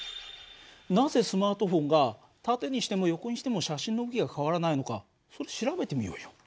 なぜスマートフォンが縦にしても横にしても写真の向きが変わらないのかそれ調べてみようよ。